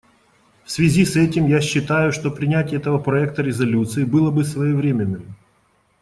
В связи с этим я считаю, что принятие этого проекта резолюции было бы своевременным.